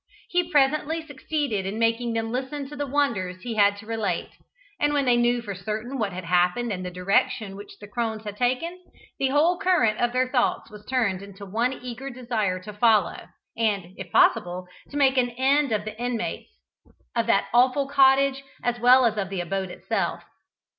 He presently succeeded in making them listen to the wonders he had to relate, and when they knew for certain what had happened and the direction which the crones had taken, the whole current of their thoughts was turned into one eager desire to follow, and, if possible, to make an end of the inmates of that awful cottage as well as of the abode itself.